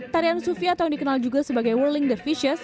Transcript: tarian sufi atau dikenal juga sebagai whirling the fishes